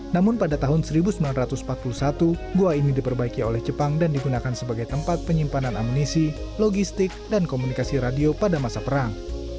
namun pada tahun seribu sembilan ratus empat puluh satu gua ini diperbaiki oleh jepang dan digunakan sebagai tempat penyimpanan amunisi logistik dan komunikasi radio pada masa perang